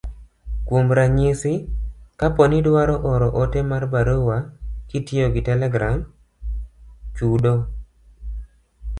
Kuom ranyisi, kapo ni idwaro oro ote mar barua kitiyo gi telegram, chudo